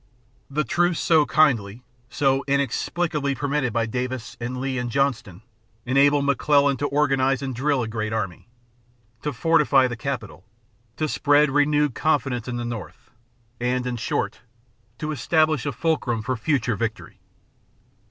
The truce so kindly, so inexplicably permitted by Davis and Lee and Johnston enabled McClellan to organize and drill a great army, to fortify the capital, to spread renewed confidence in the North, and, in short, to establish a fulcrum for future victory.